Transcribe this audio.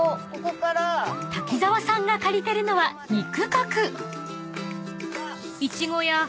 ［滝沢さんが借りてるのは２区画］